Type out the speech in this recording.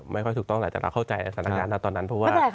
ไม่ค่อยถูกต้องหน่อยแต่เราเข้าใจลักษณ์การทั้งนั้น